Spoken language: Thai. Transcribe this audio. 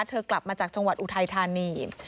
กลับมาจากจังหวัดอุทัยธานี